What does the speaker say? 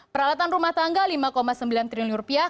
peralatan rumah tangga lima sembilan triliun rupiah